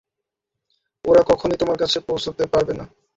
ওরা কখনই তোমার কাছে পৌঁছতে পারবে না।